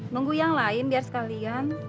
nunggu yang lain biar sekalian